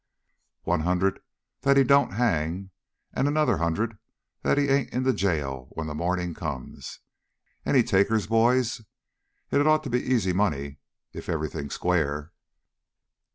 "One hundred that he don't hang; another hundred that he ain't in the jail when the morning comes. Any takers, boys? It had ought to be easy money if everything's square."